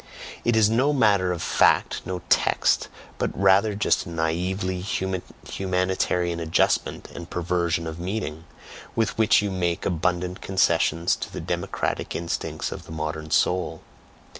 It is no matter of fact, no "text," but rather just a naively humanitarian adjustment and perversion of meaning, with which you make abundant concessions to the democratic instincts of the modern soul!